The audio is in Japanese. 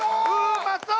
うまそう！